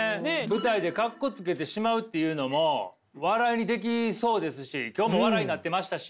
舞台でカッコつけてしまうっていうのも笑いにできそうですし今日も笑いになってましたし。